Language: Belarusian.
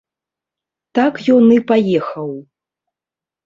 Так ён і паехаў.